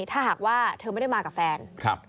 ถ้าหากว่าเธอไม่ได้มากับแฟน